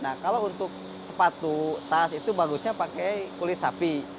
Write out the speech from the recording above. nah kalau untuk sepatu tas itu bagusnya pakai kulit sapi